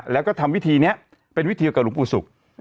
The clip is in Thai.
แล้วก็ทำวิธีมันก็เป็นวิธีกับรุงปุชุก